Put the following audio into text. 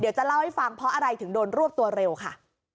เดี๋ยวจะเล่าให้ฟังเพราะอะไรถึงโดนรวบตัวเร็วค่ะ